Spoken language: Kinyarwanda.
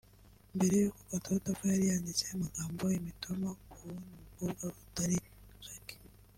Mbere y’uko Katauti apfa yari yanditse amagambo y’imitoma ku wundi mukobwa utakiri Jacky